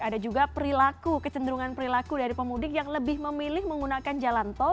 ada juga perilaku kecenderungan perilaku dari pemudik yang lebih memilih menggunakan jalan tol